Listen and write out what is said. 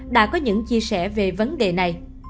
đã có những chia sẻ về vấn đề này